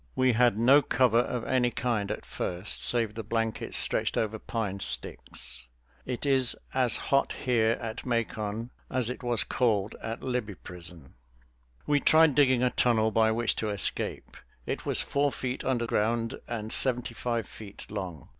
We had no cover of any kind at first, save the blankets stretched over pine sticks. It is as hot here at Macon as it was cold at Libby Prison." We tried digging a tunnel by which to escape. It was four feet under ground and seventy five feet long.